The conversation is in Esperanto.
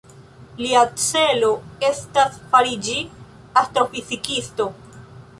Lia celo estas fariĝi astrofizikisto.